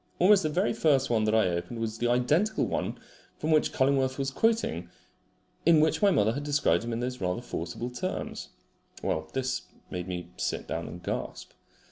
Almost the very first one that I opened was the identical one from which Cullingworth was quoting in which my mother had described him in those rather forcible terms. Well, this made me sit down and gasp.